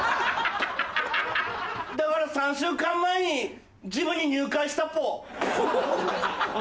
だから３週間前にジムに入会したぽ。